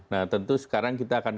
nah tentu sekarang kita akan